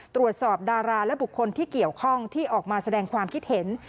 ดาราและบุคคลที่เกี่ยวข้องที่ออกมาแสดงความคิดเห็น